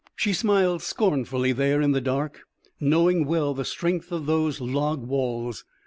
She smiled scornfully there in the dark, knowing well the strength of those log walls.